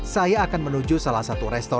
saya akan menuju salah satu restoran